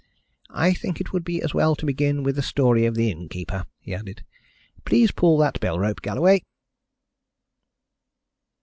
"I think it would be as well to begin with the story of the innkeeper," he added. "Please pull that bell rope, Galloway."